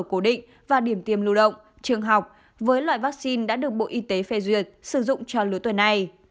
cố định và điểm tiêm lưu động trường học với loại vaccine đã được bộ y tế phê duyệt sử dụng cho lứa tuần này